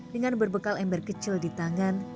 dengan berbekal ember kecil di tangan